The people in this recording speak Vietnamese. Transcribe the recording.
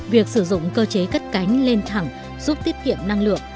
việc sử dụng cơ chế cất cánh lên thẳng giúp tiết kiệm năng lượng